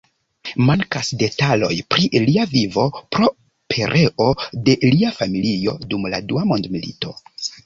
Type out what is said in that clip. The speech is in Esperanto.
Mankas detaloj pri lia vivo pro pereo de lia familio dum la Dua Mondmilito.